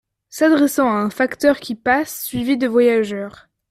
S’adressant à un facteur qui passe suivi de voyageurs.